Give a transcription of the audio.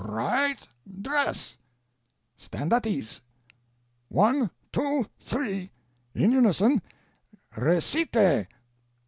"Right dress!" "Stand at ease!" "One two three. In unison _recite!